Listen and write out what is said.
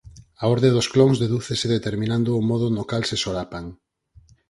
A orde dos clons dedúcese determinando o modo no cal se solapan.